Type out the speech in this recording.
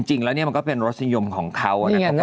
จริงแล้วเนี่ยมันก็เป็นรสนิยมของเขานะครับ